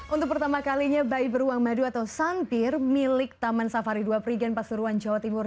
untuk pertama kalinya bayi beruang madu atau sampir milik taman safari dua prigen pasuruan jawa timur